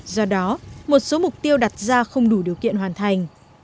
do đó một số mục tiêu đặt ra không đủ điều kiện hoàn thành